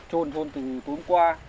trôn trôn từ cuối hôm qua